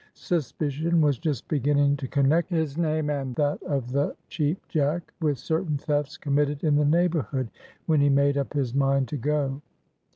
Suspicion was just beginning to connect his name and that of the Cheap Jack with certain thefts committed in the neighborhood, when he made up his mind to go.